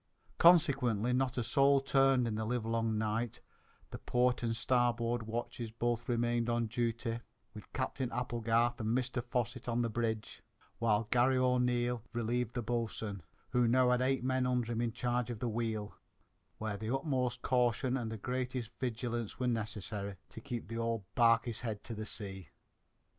Consequently, not a soul turned in the livelong night, the port and starboard watches both remaining on duty, with Captain Applegarth and Mr Fosset on the bridge, while Garry O'Neil relieved the boatswain, who now had eight men under him in charge of the wheel, where the utmost caution and the greatest vigilance were necessary to keep the old barquey's head to the sea.